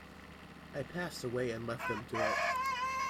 I passed away and left them to it.